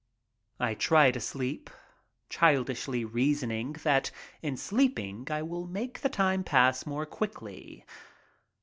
I try to sleep, childishly reasoning that in sleeping I will make the time pass more quickly.